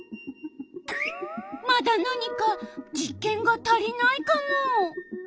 まだなにか実験が足りないカモ。